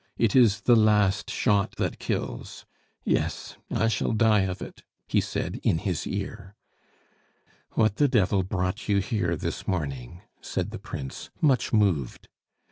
It is the last shot that kills. Yes, I shall die of it!" he said in his ear. "What the devil brought you here this morning?" said the Prince, much moved.